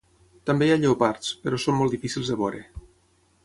També hi ha lleopards, però són molt difícils de veure.